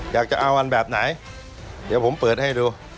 จะเอาอันแบบไหนเดี๋ยวผมเปิดให้ดู